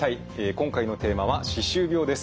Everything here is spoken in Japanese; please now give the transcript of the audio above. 今回のテーマは「歯周病」です。